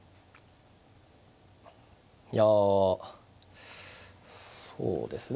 いやそうですね